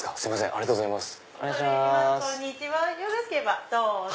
ありがとうございます。